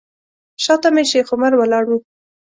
شاته مې شیخ عمر ولاړ و.